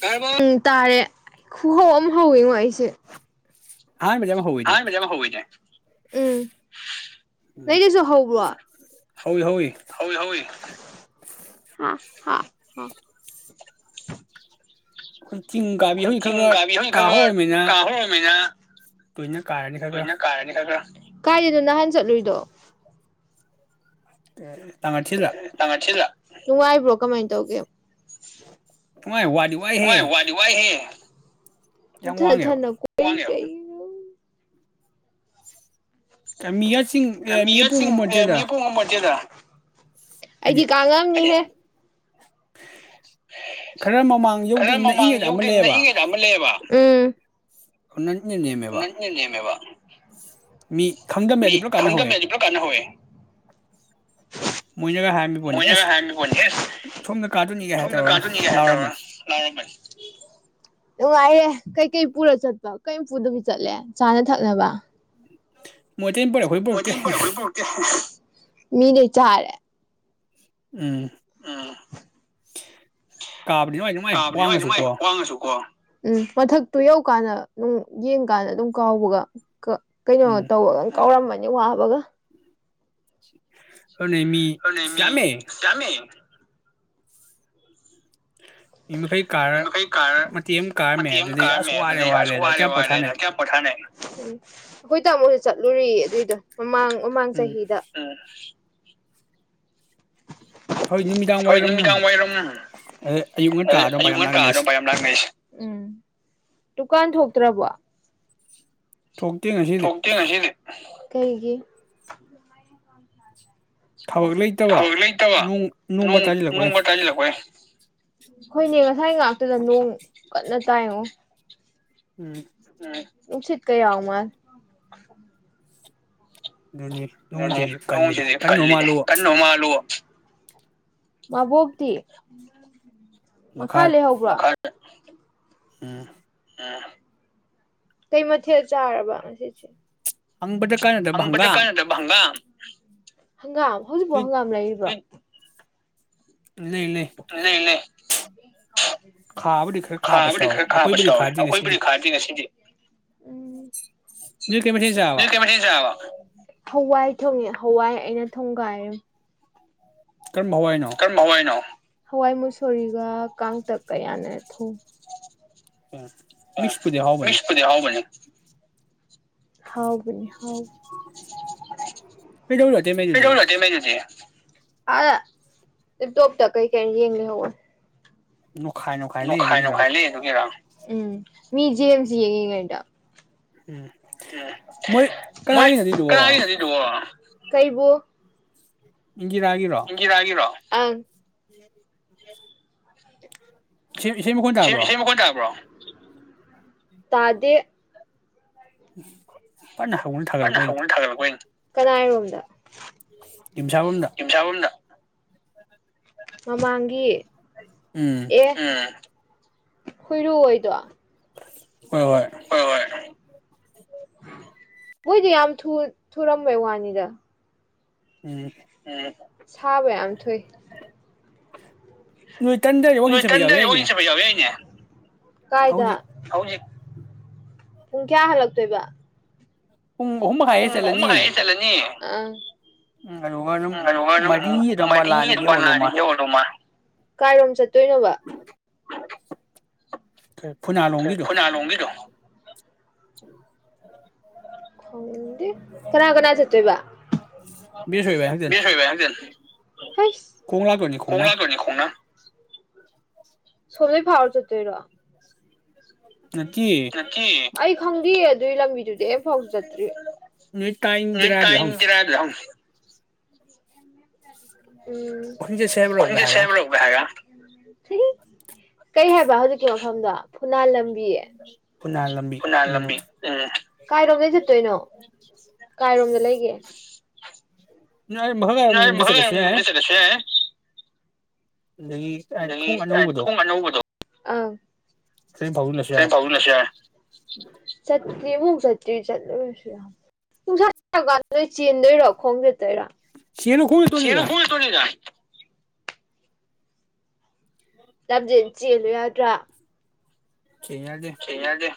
ꯇꯥꯔꯕꯣ ꯎꯝ ꯇꯥꯔꯦ ꯈꯨꯍꯧ ꯑꯃ ꯍꯧꯋꯤꯉꯣ ꯑꯩꯁꯦ ꯑꯍꯥꯟꯕꯗꯤ ꯌꯥꯝ ꯍꯧꯋꯤꯅꯦ ꯑꯍꯥꯟꯕꯖꯦ ꯌꯥꯝ ꯍꯧꯋꯤꯅꯦ ꯎꯝ ꯎꯝ ꯅꯪꯒꯤꯖꯨ ꯍꯧꯕ꯭ꯔꯣ ꯍꯧꯋꯤ ꯍꯧꯋꯤ ꯍꯧꯋꯤ ꯍꯧꯋꯤ [unintelligible] ꯎꯝ [unintelligible] ꯈꯣꯏ ꯍꯧꯖꯤꯛ ꯆꯤꯡ ꯈꯔ ꯈꯔ ꯀꯥꯕꯤ ꯍꯧꯖꯤꯛ ꯀꯥ ꯈꯔ ꯍꯧꯔꯃꯤꯅ ꯈꯔ ꯀꯥ ꯍꯧꯔꯝꯅꯤꯅ ꯇꯣꯏꯅ ꯀꯥꯔꯅꯤ ꯈꯔ ꯇꯣꯏꯅ ꯀꯥꯔꯅꯤ ꯈꯔ ꯈꯔ ꯀꯥꯏꯗꯅꯣ ꯅꯍꯥꯟ ꯆꯠꯂꯨꯏꯗꯣ [unintelligible] [unintelligible] ꯅꯨꯡꯉꯥꯏꯕ꯭ꯔꯣ ꯀꯃꯥꯏ ꯇꯧꯒꯦ ꯅꯨꯡꯉꯥꯏ ꯋꯥꯗꯤ ꯋꯥꯥꯏ ꯋꯥꯏꯍꯦ ꯋꯥꯗꯤ ꯋꯥꯏꯍꯦ ꯌꯥꯝ ꯋꯥꯡꯉꯦꯕ [unintelligible] ꯃꯤꯌꯥ ꯆꯤꯡ ꯑꯦ ꯃꯤꯌꯥ ꯄꯨꯡ [unintelligible] ꯑꯩꯗꯤ ꯀꯥꯉꯝ ꯅꯤꯍꯦ ꯈꯔ ꯃꯃꯥꯡ ꯌꯧꯗꯔꯤ ꯅꯛꯏꯉꯩꯗ ꯑꯃ ꯂꯩꯕ ꯎꯝ [unintelligible] [unintelligible] ꯅꯦꯝꯃꯦꯕ [unintelligible] ꯃꯤ ꯈꯪꯗꯝꯃꯦ ꯑꯗꯨ ꯄꯨꯂꯞ ꯀꯥꯟꯅꯍꯧꯋꯦ ꯑꯗꯨꯅ ꯍꯧꯋꯦ ꯃꯣꯏꯅꯒ ꯍꯥꯏꯔꯝꯃꯤ ꯃꯣꯏꯅꯒ ꯍꯥꯏꯔꯝꯃꯤꯕꯅꯦ ꯀꯥꯗꯣꯏꯅꯤꯒ ꯍꯥꯏ ꯁꯣꯝꯗ ꯇꯧꯔꯒ ꯀꯥꯗꯧꯅꯤ ꯍꯥꯏ ꯇꯨꯔ ꯂꯥꯎꯔꯝꯕꯅꯤ ꯂꯥꯎꯔꯝꯕꯅꯤ ꯅꯨꯡꯉꯥꯏꯔꯦ ꯀꯩꯀꯩ ꯄꯨꯔ ꯆꯠꯄ ꯀꯔꯤꯝ ꯄꯨꯗꯕꯤ ꯆꯠꯂꯦ ꯆꯥꯅ ꯊꯛꯅꯕ ꯃꯣꯏꯇꯩꯩꯅ ꯄꯣꯔꯛ ꯑꯩꯈꯣꯏ ꯄꯨꯔꯛꯇꯦ ꯃꯤꯗꯩ ꯆꯥꯔꯦ [inaudible] ꯀꯥꯕꯗꯤ ꯅꯨꯡꯉꯥꯏ ꯀꯥꯕꯗꯤ ꯅꯨꯡꯉꯥꯏ ꯅꯨꯡꯉꯥꯏ ꯋꯥꯡꯉꯁꯨꯀꯣ ꯋꯥꯡꯉꯁꯨ ꯀꯣ ꯎꯝ ꯃꯊꯛꯇꯨ ꯌꯧ ꯌꯧ ꯀꯥꯟꯗ ꯌꯦꯡ ꯀꯥꯟꯗ ꯑꯗꯨꯝ ꯀꯥꯎꯕꯒ ꯀꯩꯅꯣ ꯎꯝ ꯇꯧ ꯀꯥꯎꯔꯝꯃ ꯋꯥꯕꯒ [inaudible] ꯑꯣꯗꯨꯅꯦ ꯃꯤ ꯌꯥꯝꯃꯦ ꯃꯤ ꯃꯈꯩ ꯃꯤ ꯀꯥꯔ ꯃꯈꯩ ꯀꯥꯔ ꯃꯇꯦꯛ ꯑꯃ ꯀꯥꯔꯝꯃꯦ ꯃꯇꯦꯛ ꯑꯃ ꯑꯗꯨꯗꯤ ꯀꯥꯔꯝꯃꯦ ꯑꯁ ꯋꯥꯔꯦ ꯑꯗꯨꯗꯩ ꯑꯁ ꯋꯥꯔꯦꯗ ꯋꯥꯔꯦ ꯀꯌꯥꯝ ꯋꯥꯔꯦꯗ ꯄꯣꯊꯥꯅꯩ ꯀꯌꯥꯝ ꯄꯣꯊꯥꯅꯩ ꯈꯣꯏ ꯇꯥꯃꯣ ꯆꯠꯂꯨꯔꯤ ꯑꯗꯨꯏꯗꯣ ꯃꯃꯥꯡ ꯃꯃꯥꯡ ꯎꯝ ꯆꯍꯤꯗ ꯍꯣꯏ ꯅꯨꯃꯤꯗꯥꯡ ꯍꯣꯏ ꯋꯥꯏꯔꯝ ꯅꯨꯃꯤꯗꯥꯡ ꯋꯥꯏꯔꯝ ꯑꯗꯩ ꯑꯌꯨꯛ ꯉꯟꯇꯥꯗ ꯑꯌꯨꯛ ꯃꯌꯥꯝ ꯉꯟꯇꯥ ꯂꯥꯛꯅꯩꯁꯦ ꯑꯗꯨꯄꯥ ꯌꯥꯝ ꯂꯥꯛꯅꯩꯁꯦ ꯎꯝ ꯗꯨꯀꯥꯟ ꯊꯣꯛꯇ꯭ꯔꯕꯣ ꯊꯣꯛꯇꯦ ꯉꯁꯤꯗꯤ ꯊꯣꯛꯇꯦ ꯉꯁꯤꯗꯤ ꯀꯩꯒꯤ ꯊꯕꯛ ꯂꯩꯇꯕ ꯊꯕꯛ ꯂꯩꯇꯕ ꯅꯣꯡ ꯅꯣꯡꯒ ꯅꯣꯡ ꯇꯥꯁꯤꯜꯂꯛꯄꯩ ꯅꯣꯡꯃ ꯇꯥꯁꯤꯜꯂꯛꯄꯩ ꯈꯣꯏꯅꯦ ꯉꯁꯥꯏ ꯉꯥꯛꯇꯨꯗ ꯅꯣꯡ ꯀꯟꯅ ꯇꯥꯏꯉꯣ ꯎꯝ ꯅꯨꯡꯁꯤꯠꯀ ꯌꯥꯎ ꯃꯥꯜꯂꯦ ꯑꯗꯨꯅꯤ ꯑꯗꯨꯅꯤ ꯅꯣꯡꯁꯤꯗꯤ ꯅꯣꯡ ꯀꯜꯂꯤꯅꯦ ꯁꯤꯁꯨ ꯀꯟꯕ ꯀꯜꯂꯤꯅꯦ ꯃꯥꯜꯂꯨ ꯀꯟꯅꯣ ꯃꯥꯜꯂꯨꯕ ꯃꯥꯕꯣꯛꯇꯤ ꯃꯈꯥ ꯃꯈꯥꯗ ꯂꯩꯍꯧꯕ꯭ꯔꯣ [unintelligible] ꯎꯝ ꯎꯝ ꯀꯩ ꯃꯊꯦꯜ ꯆꯥꯔꯕ ꯉꯁꯤꯖꯦ ꯍꯪꯕꯗ ꯀꯥꯟꯅꯗꯕ ꯍꯥꯡꯒꯥꯝ ꯍꯥꯡꯒꯥꯝ ꯍꯧꯖꯤꯛꯄꯨ ꯍꯥꯡꯒꯥꯝ ꯂꯩꯔꯤꯕ꯭ꯔꯣ ꯂꯩ ꯂꯩ ꯇ ꯂꯩ ꯂꯩ [unintelligible] ꯈꯥꯕꯨꯗꯤ ꯈꯔ [unintelligible] ꯈꯥꯕꯁꯨ ꯈꯥꯕꯨꯗꯤ ꯌꯥꯎꯋꯦ ꯈꯔ ꯈꯥꯕꯁꯨ ꯑꯩꯈꯣꯏꯕꯨꯗꯤ ꯌꯥꯎꯋꯦ ꯈꯥꯗꯦ ꯉꯁꯤꯗꯤ ꯑꯩꯈꯣꯏꯕꯨꯗꯤ ꯈꯥꯗꯦ ꯉꯁꯤꯗꯤ ꯅꯣꯏ ꯀꯩ ꯃꯊꯦꯜ ꯆꯥꯔꯕ ꯑꯗꯨ ꯀꯩ ꯃꯥꯊꯦꯝ ꯆꯥꯕ ꯍꯋꯥꯏ ꯊꯣꯡꯉꯦ ꯍꯋꯥꯏ ꯑꯩꯅ ꯊꯣꯡꯒꯥꯏ ꯀꯔꯝꯕ ꯍꯋꯥꯏꯅꯣ ꯀꯔꯝꯕ ꯍꯋꯥꯏꯅꯣ ꯍꯋꯥꯏ ꯃꯨꯁꯣꯔꯤꯒ ꯀꯥꯡꯇꯛꯀ ꯌꯥꯅꯔ ꯊꯣꯡꯉꯦ ꯑ ꯃꯤꯛꯄꯨꯗꯤ ꯍꯥꯎꯕꯅꯤ ꯃꯤꯛꯁꯄꯨꯗꯤ ꯍꯥꯎꯕꯅꯦ ꯍꯥꯎꯕꯅꯤ ꯍꯥꯎ ꯀꯩꯗꯧꯔꯤꯅꯣ [unintelligible] ꯑꯇꯩꯃꯩꯗꯨꯗꯤ ꯑ ꯂꯩꯇꯣꯞ ꯇ ꯀꯩꯀꯩ ꯌꯦꯡ ꯂꯩꯌꯥꯎꯕꯅꯤ ꯅꯣꯈꯥꯏ ꯂꯩ ꯅꯣꯈꯥꯏ ꯑꯗꯨꯒꯤꯔꯥ ꯅꯣꯈꯥꯏ ꯂꯩ ꯑꯗꯨꯒꯤꯔ ꯃꯤ ꯖꯤꯌꯦꯝꯖꯤ ꯌꯦꯡꯉꯤ ꯉꯩꯗꯥ ꯎꯝ ꯎꯝ ꯃꯣꯏ ꯃꯣꯏ ꯀꯅꯥꯒꯤꯅꯣ ꯑꯗꯨꯏꯗꯨꯕꯣ ꯀꯅꯥꯒꯤ ꯑꯗꯨꯗꯨꯕꫭ ꯀꯩꯕꯨ [unintelligible] ꯏꯟꯒꯤꯔꯒꯤꯔꯣ ꯑꯟ [unintelligible] [unintelligible] ꯏꯁꯩ ꯃꯈꯣꯟ ꯏꯁꯩ ꯇꯥꯕ꯭ꯔꯣ ꯏꯁꯩ ꯃꯥꯈꫭꯟ ꯇꯥꯕ꯭ꯔꯣ [unintelligible] ꯇꯗꯦ [unintelligible] ꯐꯖꯅ ꯍꯧꯅ ꯀꯟꯅ ꯊꯥꯒꯠꯂꯛꯄꯩꯅꯤ ꯌꯥꯎꯕ ꯑꯝ ꯊꯥꯒꯠ ꯂꯛꯄꯥ ꯑꯩꯅ ꯀꯥꯅꯩ ꯔꯨꯝꯅꫭ ꯗ ꯌꯨꯝꯁꯥꯕꯝꯗ ꯃꯃꯥꯡꯒꯤ ꯎꯝ [unintelligible] ꯑꯦ ꯑꯥ ꯍꯨꯏꯔꯨ ꯑꯣꯏꯗꯣ ꯍꯣꯏ ꯍꯣꯏ ꯃꯣꯏꯗꯤ ꯌꯥꯝ ꯊꯨ ꯊꯨꯔꯝꯕꯩ ꯋꯥꯅꯤꯗ ꯎꯝ ꯎꯝ ꯁꯥꯕ ꯌꯥꯝ ꯊꯨꯏ ꯅꯣꯏ ꯇꯟꯗ꯭ꯔꯗꯤ ꯋꯥꯛꯀꯤꯡ ꯅꯣꯏ ꯆꯠꯄ ꯌꯥꯎ ꯀꯟꯗ ꯌꯅꯤꯡꯡ ꯌꯥꯏꯅꯦ ꯆꯕ ꯌꯥꯎꯋꯤ ꯑꯩꯅꯦ ꯀꯥꯏꯗ ꯍꯧꯖꯤꯛ ꯍꯧ ꯄꯨꯡ ꯀꯌꯥ ꯍꯜꯂꯛꯇꯣꯏꯕ ꯄꯨꯡ ꯑꯍꯨꯝ ꯃꯈꯥꯏ ꯎ ꯍꯦꯛ ꯎꯃ ꯆꯠꯂꯅꯤ ꯍ ꯍꯥꯏꯁꯂꯅꯤ ꯑ ꯎꯝ ꯑꯗꯨꯒ ꯑꯗꯨꯝ ꯃꯔꯤ ꯑꯗꯨꯋꯥꯏ ꯃꯄꯥ ꯃꯅꯤ ꯂꯥꯛꯑꯅꯤ ꯔꯝꯕ ꯌꯧꯔꯗꯧ ꯂꯔꯒꯦ ꯃꯥꯜꯂꯦ ꯑꯣꯏꯔꯃ ꯀꯥꯏꯔꯣꯝ ꯆꯠꯇꯣꯏꯅꯣꯕ ꯐꯅꯥ ꯂꯣꯡꯒ ꯂꯣ ꯎꯝ ꯀꯅꯥ ꯀꯅꯥ ꯆꯠꯇꯣꯏꯕ ꯕꯦꯁ ꯑꯣꯏꯕ ꯃꯤ ꯍꯥꯏꯗꯨꯅꯤ ꯍ ꯍ ꯈꯣꯡ ꯂꯥꯛꯇꯣꯏꯅꯤ ꯈꯣꯡꯅ ꯈꯣꯡꯒꯅꯤ ꯈꯣꯡꯅ ꯁꯂꯣꯏ ꯐꯥꯎꯔ ꯆ ꯇꯔꯣ ꯅꯠꯇꯦ ꯑꯩ ꯈꯪꯒ ꯑꯗꯨ ꯂꯝꯕꯤꯗꯨꯗꯤ ꯐꯥꯎ ꯆꯠꯇ꯭ꯔꯤ ꯅꯣꯏ ꯇꯥꯏꯟ ꯖꯦꯔꯥꯗꯨꯗ ꯍꯪꯉꯨ ꯎꯝ ꯋꯥꯛꯀꯤꯡ ꯆꯠꯁꯦ ꯍꯥꯏꯕ꯭ꯔꯣꯒ ꯈꯨꯟꯖꯦ ꯍꯥꯏꯔꯒ ꯁꯦꯕꯒꯕꯒ ꯁꯤ ꯀꯔꯤ ꯍꯥꯏꯕ ꯍꯧꯖꯤꯛꯀꯤ ꯃꯐꯝꯗꯣ ꯐꯨꯅꯥꯂꯝ ꯐꯨꯅꯥ ꯂꯝꯕꯤ ꯎꯝ ꯀꯥꯏꯔꯣꯝ ꯆꯠꯇꯣꯏꯅꯣ ꯀꯣꯝ ꯂꯩꯒꯦ ꯅꯣꯏ ꯃꯈꯥ ꯀꯥꯏꯔꯣꯝꯗ ꯆꯠꯂꯁꯨ ꯌꯥꯏ ꯃꯁ ꯔꯁꯦ ꯑꯗꯒꯤ ꯊꯣꯡ ꯑꯅꯧꯕꯗꯣ ꯑ ꯑꯗꯨꯗꯩ ꯐꯥꯎꯖꯤꯜꯂꯁꯨ ꯀ ꯌꯥꯔꯦ ꯐꯥꯎ ꯅꯁꯤ ꯆꯠ ꯃꯨꯛ ꯆꯠꯇ꯭ꯔꯤ ꯆꯠꯂꯨꯔꯁꯨ ꯌꯥꯝ ꯅꯨꯡꯁꯥ ꯆꯀꯥꯟꯗ ꯅꯣꯏ ꯆꯦꯟꯗꯣꯏꯔꯥ ꯈꯣꯡ ꯆꯠꯇꯣꯏꯔꯥ ꯁꯤꯅ ꯈꯣꯏꯕ ꯇꯣꯅꯤꯗ ꯇꯞꯖꯦꯟ ꯆꯦꯜꯂꯨ ꯌꯥꯗ꯭ꯔꯥ ꯀꯩꯅꯗꯦ ꯆꯦꯟ ꯌꯥꯗꯦ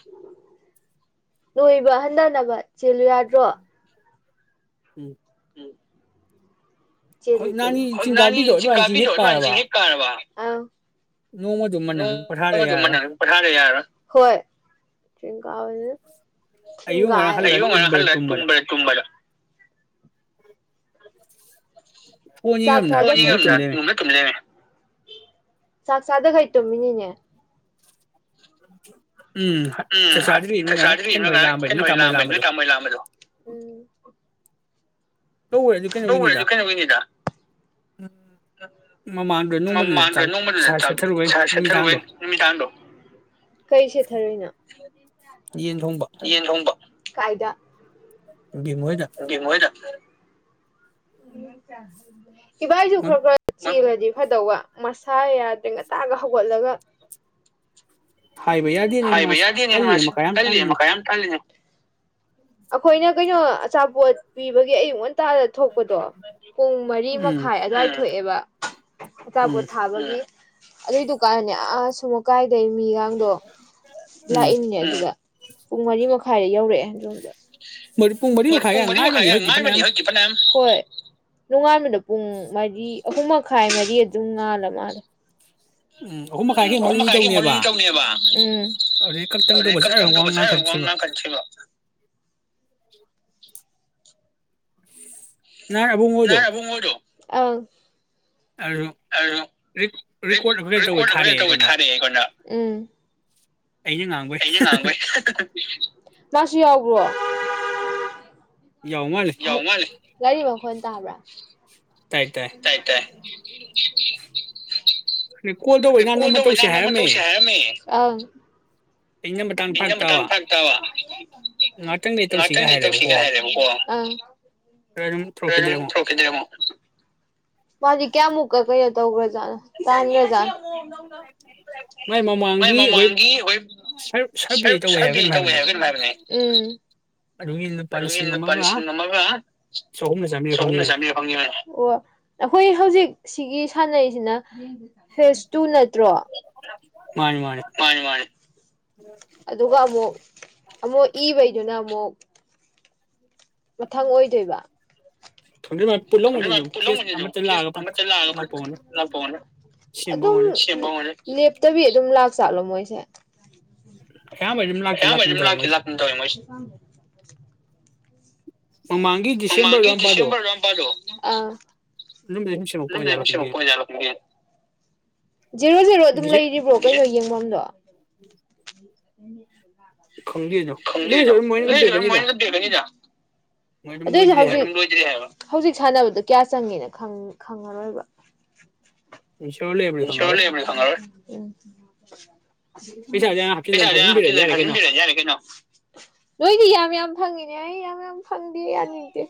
ꯅꯣꯏꯕ ꯍꯟꯊꯅꯕ ꯆꯦꯜꯂꯨ ꯌꯥꯗ꯭ꯔꯣ ꯎꯝ ꯎ ꯆꯦꯂꯨ ꯍꯧꯖꯤꯛ ꯆꯦꯂꯨ ꯅꯍꯥꯟꯒꯤ ꯆꯤꯡ ꯀꯥꯕꯤꯗꯣ ꯅꯅꯤꯁꯤꯡ ꯑꯗꯨꯃꯥꯏꯅ ꯆꯤꯡ ꯍꯦꯛ ꯀꯥꯕꯤꯔꯣꯑꯣ ꯀꯥꯔꯕ ꯅꯅꯤꯁꯤꯡ ꯍꯦꯛ ꯀꯥꯅꯕ ꯅꯣꯡꯃꯗꯨꯃ ꯅꯪ ꯄꯣꯊꯥꯗ ꯑ ꯀ ꯃ ꯌꯥꯔꯔꯣꯏ ꯄꯊꯥꯔꯦ ꯌꯥꯔ ꯍꯣꯏ ꯭ꯔ ꯑꯌꯨꯛ ꯉꯔꯥꯡ ꯍꯜꯂ ꯇꯨꯝꯕꯗ ꯇꯔ ꯎꯟ ꯁꯠ [inaudible] ꯆꯥꯛꯁꯥ ꯁꯗ ꯀꯩꯇꯣꯃꯤꯅꯤꯅꯦ ꯍꯣꯊꯤ [inaudible] ꯎꯝꯗ꯭ꯔꯤꯅ ꯍꯣꯏ ꯉ ꯂꯥꯝꯕꯩ ꯀꯩꯅꯣ ꯅꯣꯏ ꯍ ꯇꯥꯃꯣ ꯍꯣꯏ ꯂꯥꯑꯝꯕꯩ ꯅꯣꯏ ꯂꯥꯝꯕꯗꯣ ꯇꯥꯃ ꯍꯣꯏ ꯂꯥꯛꯑꯝꯕꯗꯣ ꯇꯦ ꯑꯗꯨ ꯀꯩꯅꯣꯋꯅꯤꯗ ꯅꯣꯡꯃꯗꯨꯗ ꯃꯃꯥꯡꯗ ꯆꯥꯛ ꯅꯣꯡꯃꯗꯗ ꯁꯥ ꯁꯦꯠꯊꯔꯨꯕꯩ ꯁꯦꯠꯊꯔꯨ ꯅꯨꯃꯤꯗꯥꯡꯗꯣ ꯅꯨꯃꯤꯗꯥꯡꯗꯣ ꯀ ꯁꯔꯏꯅꯣ ꯌꯦꯟ ꯊꯣꯡꯕ ꯌꯦꯟ ꯊꯣꯡꯕ ꯀꯥꯏꯗ ꯕꯤꯝ ꯍꯣꯏꯗ ꯦ ꯍꯣꯏꯗ ꯎ ꯆ ꯏꯕꯥꯏꯁꯨ ꯃꯣꯏ ꯈꯔ ꯈꯔ ꯆꯦꯜꯂꯗꯤ ꯐꯗ ꯋꯥ ꯃꯁꯥ ꯌꯥꯗ꯭ꯔꯤ ꯉ ꯇꯒ ꯍꯧꯒꯠꯂꯒ ꯍꯥꯏꯕ ꯌꯥꯗꯦꯅꯦ ꯍꯥꯏꯥꯏꯕ ꯃꯥꯁꯦ ꯌꯥꯗꯦꯅꯦ ꯇꯜꯂꯤꯅꯦ ꯃꯥꯁ ꯃꯀꯥ ꯌꯥꯝ ꯇꯜꯂꯤ ꯇꯜꯂꯤꯅꯦ ꯃꯈꯥ ꯌꯥꯝ ꯇꯜꯂꯤꯅꯦ ꯑꯩꯈꯣꯏꯅ ꯀꯩꯅꯣ ꯑꯆꯥꯄꯣꯠ ꯄꯤꯕꯒꯤ ꯑꯌꯨꯛꯟ ꯍꯞꯇꯥꯗ ꯊꯣꯛꯄꯗꯣ ꯄꯨꯡ ꯃꯔꯤ ꯎꯝ ꯃꯈꯥꯏ ꯑꯗꯨꯋꯥꯏꯗ ꯊꯣꯛꯑꯦꯕ ꯎꯝ ꯑꯆꯥꯄꯣꯠ ꯊꯥꯕꯒꯤ ꯑꯗꯨꯏ ꯗꯨꯀꯥꯟꯅꯦ ꯑ ꯊꯨꯃ ꯀꯥꯏꯗꯩꯃꯤ ꯑꯗꯣ ꯎꯝ ꯂꯥꯛꯏꯅꯦ ꯑꯗꯨꯒ ꯄꯨꯡ ꯃꯔꯤ ꯃꯈꯥꯏꯗ ꯌꯧꯔꯛꯑꯦꯣꯝꯗ ꯃꯔꯤ ꯄꯨꯡ ꯃꯔꯤ ꯃꯈꯥꯏ ꯒꯥꯏ ꯉꯥꯏꯕꯅꯤ ꯍꯧꯖꯤꯛꯇꯤ ꯐꯅꯌꯥꯝ ꯍꯣꯏ ꯅꯣꯡꯉꯥꯟꯕꯗꯣ ꯄꯨꯡ ꯃꯔꯤ ꯑꯍꯨꯝ ꯃꯈꯥꯏ ꯃꯔꯤ ꯑꯗꯨꯝ ꯉꯥꯜꯂ ꯃꯥꯜꯂꯦ ꯎꯝ ꯑꯍꯨꯝ ꯃꯈꯥꯏ ꯎꯝ ꯍꯦꯛ ꯑꯍꯨꯝ ꯃꯔꯤꯅꯤ ꯃꯈꯥꯏꯒꯤ ꯃꯅꯤ ꯇꯧꯅꯦꯕ ꯑꯗꯨꯗꯩ ꯀꯛꯇꯪ ꯎ ꯇꯧꯕ ꯖꯔ ꯀꯇꯪ ꯇꯧꯕꯁ ꯋꯥ ꯉꯥꯡꯈꯠꯈꯤꯕ ꯅꯍꯥꯟ ꯃ ꯑꯕꯨꯡꯉꯣꯗꯣ ꯑ ꯑꯗꯨ ꯑꯗꯨ ꯔꯦꯀꯣꯔꯠ ꯀꯩꯅꯣ ꯇꯧꯕꯩ ꯔꯦꯀꯣꯔꯠ ꯊꯥꯔꯛꯑꯦ ꯐꯣꯏꯅ ꯇꯧꯋ ꯑꯩꯉꯣꯟꯗ ꯊꯥꯔꯛꯑꯦ ꯑꯩꯈꯣꯟꯅ ꯎ ꯑꯩꯅ ꯉꯥꯡꯕꯩ ꯑꯩꯅ ꯉꯥꯡꯕꯩ ꯃꯥꯁꯨ ꯌꯥꯎꯕ꯭ꯔꯣ ꯌꯥꯎ ꯃꯥꯜꯂꯦ ꯂꯕ ꯐꯣꯟ ꯇ꯭ꯔ ꯇꯥꯏ ꯇꯥꯏ ꯀꯣꯜ ꯇꯧꯕ ꯅꯍꯥꯟ ꯅꯃ ꯇꯧꯁꯦ ꯍꯥꯏꯔꯝꯃꯦ ꯑ ꯑꯩꯅ ꯃꯇꯥꯡ ꯐꯥꯛ ꯇꯕ ꯉꯥꯛꯇꯪ ꯂꯩ ꯇꯧꯁꯤꯒ ꯉꯍꯥꯛꯇꯪꯗ ꯍꯥꯏꯔꯦꯕꯀꯣ ꯇꯧꯁꯤꯒꯦ ꯍꯥꯏꯔꯦꯕꯀꯣ ꯑꯗ ꯑꯗꯨꯝ ꯇꯧꯔꯛꯈꯤꯗ꯭ꯔꯦ ꯑꯃꯨꯛ ꯊꯣꯛꯈꯤꯗꯃꯣ ꯃꯥꯖꯤ ꯀꯌꯥ ꯃꯨꯀ ꯀꯩꯅ ꯇꯧꯕ꯭ꯔꯖꯥꯅ ꯃꯥꯏ ꯃꯥꯏ ꯃꯃꯥꯡꯒꯤ ꯑꯩꯈꯣꯏ ꯃꯃꯥꯡꯒꯤ ꯍꯣꯏ ꯁꯔꯚꯦ ꯇꯧꯋꯦ ꯍꯥꯏꯕ ꯁꯔꯚ ꯀꯩꯅꯣꯝ ꯇꯧꯋꯦ ꯍꯥꯏꯕꯅꯦ ꯍꯥꯏꯕ ꯀꯩꯅꯣ ꯍꯥꯏꯕꯅꯦ ꯎꯝ ꯑꯗꯨꯒꯤ ꯂꯨꯄꯥ ꯑꯗꯨ ꯂꯤꯁꯤꯡ ꯂꯨꯄꯥ ꯑꯃꯒ ꯂꯤꯁꯤꯡ ꯑꯃꯒ ꯆꯍꯨꯝꯂ ꯆꯥꯝꯃꯔꯤꯔ ꯆꯍꯨꯝꯔ ꯐꯪꯈꯤꯕꯅꯦ ꯆꯝꯃꯔꯤꯔ ꯐꯪꯉꯤ ꯑꯣ ꯑꯩꯈꯣꯏ ꯍꯧꯖꯤꯛ ꯁꯤꯒꯤ ꯁꯥꯟꯅꯩꯁꯤꯅ ꯐꯦꯁ ꯇꯨ ꯅꯠꯇ꯭ꯔꯣ ꯃꯥꯅꯤ ꯃꯥꯅꯤ ꯑꯗꯨꯒ ꯑꯃꯨꯛ ꯑꯃꯨꯛ ꯏꯕꯩꯗꯨꯅ ꯑꯃꯨꯛ ꯃꯊꯪ ꯑꯣꯏꯗꯣꯏꯕ ꯈꯪꯗꯦ ꯃꯥ [inaudible] ꯄꯨꯜꯂꯝꯒꯅꯤ ꯑꯗꯨꯝ ꯐꯦꯁ ꯑꯃꯠꯇ ꯂꯥꯛꯑꯒ ꯄꯨꯂꯞ ꯂꯥꯛꯄ ꯑꯣꯏꯔꯝꯒꯅꯤ ꯁꯦꯝꯕ ꯑꯗꯨꯝ ꯑꯣꯏꯔꯝꯒꯅꯤ ꯂꯦꯞꯇꯕꯤ ꯑꯗꯨꯝ ꯂꯥꯛꯇꯩ ꯆꯂꯣ ꯃꯣꯏꯁꯦ ꯑꯌꯥꯝꯕ ꯑꯗꯨꯝ ꯂꯥꯛꯇꯤ ꯑꯌꯥꯝꯕ ꯂꯥꯛꯀꯨꯝ ꯑꯗꯨꯝ ꯇꯧꯋꯦ ꯂꯥꯛꯇꯤ ꯃꯣꯏꯁꯦ ꯂꯥꯛꯀꯨꯝ ꯇꯧꯑꯦ ꯃꯣꯏꯁꯦ ꯃꯃꯥꯡꯒꯤ ꯗꯤꯁꯦꯝꯕꯔ ꯑꯗꯨꯋꯥꯏ ꯃꯄꯥꯗꯣ ꯑꯗꯨꯝꯕꯗ ꯁꯨꯝ ꯁꯦꯝꯃꯛꯄ ꯑꯣꯏꯖꯥꯠꯂ ꯑ ꯖꯦꯔꯣ ꯖꯦꯔꯣ ꯑꯗꯨꯝ ꯈꯪꯗꯦ ꯂꯩꯔꯤꯕ꯭ꯔꯣ ꯀꯩꯅꯣ ꯌꯦꯡꯐꯝꯗꯣ [inaudible] ꯈꯪꯗꯦꯗꯣ ꯈꯪꯗꯦ ꯑꯗꯨꯏꯁꯨ ꯃꯣꯏꯅ ꯑꯗꯨꯝ ꯄꯤꯔꯛꯀꯅꯤꯗ ꯃꯣꯏ ꯑꯗꯨꯝ ꯑꯗꯨꯏ ꯂꯣꯏꯗ꯭ꯔꯤ ꯍꯥꯏꯕ ꯍꯧꯖꯤꯛ ꯍꯧꯖꯤꯛ ꯁꯥꯟꯅꯕꯗꯣ ꯀꯌꯥ ꯆꯪ ꯉꯤꯅ ꯈꯪ ꯈꯪꯉꯔꯣꯏꯕ [unintelligible] [inaudible] [unintelligible] ꯏꯟꯁꯤꯌꯣꯔ ꯂꯩꯕꯗꯤ ꯈꯪꯉꯔꯣꯏ ꯄꯩꯁꯥꯁꯦ ꯑꯩꯅ ꯍꯥꯞꯆꯤꯜꯂ ꯐꯥꯞꯆꯤꯟꯕꯤꯔꯗꯤ ꯌꯥꯔꯦ ꯀꯩꯅꯣ ꯌꯥꯔꯦ ꯀꯩꯅꯣ ꯅꯣꯏꯗꯤ ꯌꯥꯝ ꯌꯥꯝ ꯈꯪꯉꯤꯅꯦ ꯑꯩ ꯌꯥꯝ ꯌꯥꯝ ꯐꯪꯗꯦ ꯌꯥꯅꯤꯡꯗꯦ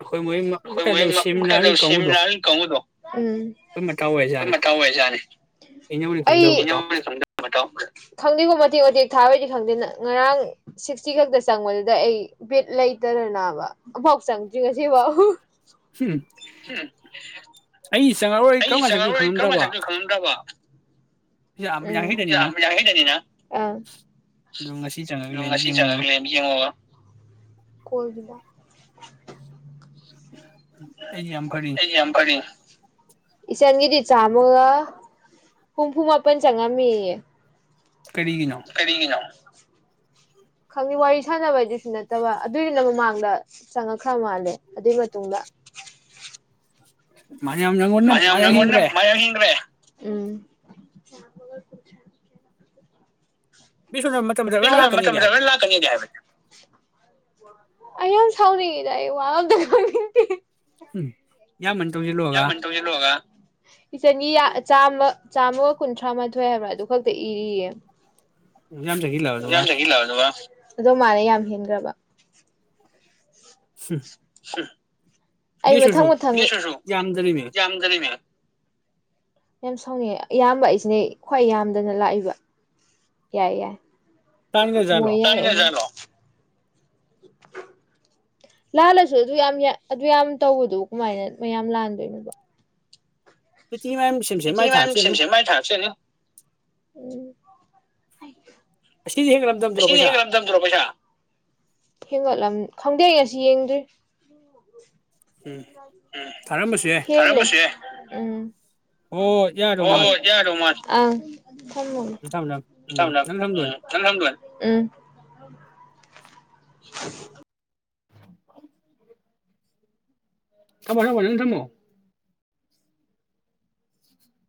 ꯑꯩꯈꯣꯏ ꯃꯣꯏ ꯑꯝ ꯑꯩ ꯀꯩꯗꯧ ꯁꯦꯃꯤꯂꯥꯜ ꯀꯥꯡꯕꯨꯗꯣ ꯑꯩꯈꯣꯏ ꯃꯇꯥꯎ ꯑꯣꯏꯔꯖꯥꯠꯅꯤ ꯑꯩꯅꯕꯨꯗꯤ ꯈꯪꯗꯕ ꯃꯇꯥꯎ ꯈꯪꯗꯦꯀꯣ ꯃꯇꯦꯛ ꯃꯇꯦꯛ ꯊꯥꯕꯩꯗꯤ ꯈꯪꯗꯦꯅ ꯉꯔꯥꯡ ꯁꯤꯛꯁꯇꯤ ꯈꯛꯇ ꯆꯪꯕꯗꯨꯗ ꯑꯩ ꯕꯤꯠ ꯂꯩꯇꯗꯅꯕ ꯑꯃꯨꯛꯐꯥꯎ ꯆꯪꯗ꯭ꯔꯤ ꯉꯁꯤ ꯖꯤ [inaudible] ꯎꯝ ꯑꯩ ꯆꯪꯉꯛꯑꯔꯣꯏ ꯀꯔꯝ ꯀꯥꯟ ꯆꯪꯉꯛꯇꯣꯏ ꯈꯪꯉꯝꯗ꯭ꯔꯕ ꯄꯩꯁꯥ [unintelligible] ꯎꯝ ꯌꯥꯡꯈꯩꯗꯅꯤꯅ ꯌꯥꯝ ꯌꯥꯡꯈꯩꯗꯅꯤꯅ ꯎꯝ ꯑꯗꯣ ꯉꯁꯤ ꯆꯪꯉꯒ ꯑ ꯂꯩꯔꯝ ꯉꯁꯤ ꯌꯦꯡꯉꯣꯕ ꯆꯪꯉꯒ ꯂꯩ ꯌꯦꯡꯉꯣꯒ ꯑꯩ ꯌꯥꯝ ꯐꯔꯤ ꯑꯩꯗꯤ ꯌꯥꯝ ꯀꯜꯂꯤ ꯏꯆꯟꯒꯤꯗꯤ ꯆꯥꯝꯃꯒ ꯍꯨꯝꯐꯨ ꯃꯥꯄꯟ ꯆꯪꯉꯝꯃꯤ ꯀꯔꯤꯒꯤꯅꯣ ꯀꯔꯤꯒꯤꯅꯣ ꯈꯪꯗꯦ ꯋꯥꯔꯤ ꯁꯥꯟꯅꯕꯩꯗꯨꯁꯨ ꯅꯠꯇꯕ ꯑꯗꯨꯏꯗꯨꯅ ꯃꯃꯥꯡꯗ ꯆꯪꯉꯛꯈ꯭ꯔ ꯃꯥꯜꯂꯦ ꯑꯗꯨꯒꯤ ꯃꯇꯨꯡꯗ ꯃꯥꯅ ꯌꯥꯝ ꯅꯪꯉꯣꯟꯗ ꯃꯥ ꯌꯥꯝ ꯍꯦꯟꯈ꯭ꯔꯦ [inaudible] [unintelligible] ꯎꯝ ꯕꯤꯁꯣꯅ ꯃꯇꯝ ꯃꯇꯝ ꯂꯣꯏ ꯂꯥꯛꯀꯅꯤꯗꯤ ꯍꯥꯏꯕꯅꯦ [unintelligible] ꯑꯩꯌꯥꯝ ꯁꯥꯎꯅꯤꯡꯉꯤꯗ ꯑꯩ ꯋꯥ ꯑꯃꯇ ꯉꯥꯡꯅꯤꯡꯗꯦ ꯍꯨꯝ ꯌꯥꯝꯃꯟ ꯇꯧꯁꯤꯜꯂꯨꯔꯒ [unintelligible] ꯆꯥꯝꯃ ꯆꯥꯝꯃꯒ ꯀꯨꯟꯊ꯭ꯔꯥ ꯃꯥꯊꯣꯏ ꯍꯥꯏꯕ꯭ꯔꯥ ꯑꯗꯨ ꯈꯛꯇ ꯏꯔꯤꯌꯦ ꯎꯝ [unintelligible] ꯑꯗꯨꯕ ꯑꯗꯣ ꯃꯥꯜꯂꯦ ꯌꯥꯝ ꯍꯦꯟꯒ꯭ꯔꯕ [unintelligible] [unintelligible] ꯑꯩ ꯕꯤꯁꯨꯁꯨ ꯃꯊꯪ ꯃꯊꯪ [unintelligible] ꯌꯥꯝꯗꯔꯤꯃꯤ ꯌꯥꯝꯖꯅꯤꯡ ꯌꯥꯝ ꯁꯥꯎꯅꯤꯡꯉꯦ ꯑꯌꯥꯝꯕ ꯑꯩꯁꯤꯅꯦ ꯈ꯭ꯋꯥꯏ ꯌꯥꯝꯗꯅ ꯂꯥꯛꯏꯕ ꯌꯥꯏ ꯌꯥꯏ ꯇꯥꯡꯈ꯭ꯔꯖꯥꯠꯂꯣ [unintelligible] [unintelligible] ꯂꯥꯜꯂꯁꯨ ꯑꯗꯨ ꯌꯥꯝ ꯑꯗꯨ ꯌꯥꯝ ꯇꯧꯕꯗꯣ ꯀꯃꯥꯏꯅ ꯃꯌꯥꯝ ꯂꯥꯟꯗꯣꯏꯅꯣꯕ ꯄꯦꯇꯤ ꯃꯌꯥꯝ ꯁꯦꯝ ꯁꯦꯝ ꯃꯥꯏ ꯊꯥꯛꯆꯅꯤ [unintelligible] ꯑꯁꯤꯗꯤ ꯍꯦꯟꯒꯠꯂꯝꯗꯕꯗ꯭ꯔꯣ ꯁꯤꯗꯤ ꯄꯩꯁꯥ ꯍꯦꯟꯒꯠꯂꯝꯗ꯭ꯔꯣ ꯄꯩꯁꯥ ꯍꯦꯟꯒꯠꯂꯝ ꯈꯪꯗꯦ ꯑꯩ ꯉꯁꯤ ꯌꯦꯡꯗ꯭ꯔꯤ ꯎꯝ ꯊꯥꯔꯝꯕꯁꯨ ꯌꯥꯏ [unintelligible] ꯑ ꯍꯣꯏ ꯌꯥꯗꯧ ꯃꯥꯜꯂꯦ ꯊꯝꯃꯦ ꯊꯝꯃꯦ ꯎꯝ ꯅꯪ ꯊꯝꯗꯣꯏꯅꯦ ꯊꯝꯃꯒꯦ [unintelligible] ꯎꯝ [unintelligible] ꯊꯝꯃꯣ